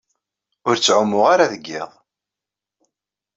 Ur ttɛumuɣ ara deg yiḍ.